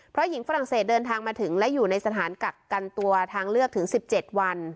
เพราะหญิงฝรั่งเศสเดินทางมาถึงและอยู่ในสถานกักกันตัวทางเลือกถึง๑๗วัน